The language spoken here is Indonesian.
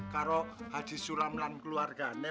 kalau haji sulam dan keluarganya